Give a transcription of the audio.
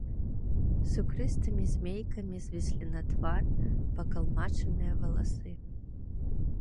Сукрыстымі змейкамі звіслі на твар пакалмачаныя валасы.